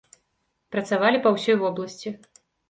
Працавалі па ўсёй вобласці.